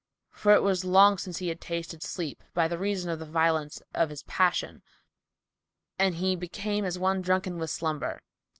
for it was long since he had tasted sleep, by reason of the violence of his passion, and he became as one drunken with slumber.